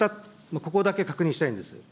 ここだけ確認したいんです。